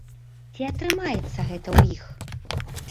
Ці атрымаецца гэта ў іх?